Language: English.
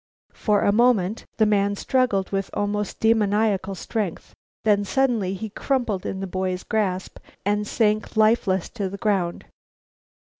For a moment the man struggled with almost demoniacal strength, then suddenly he crumpled in the boy's grasp and sank lifeless to the ground.